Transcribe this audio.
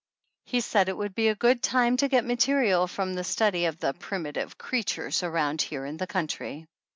He said it would be a good time to get material from the study of the "primitive creatures" around here in the coun try.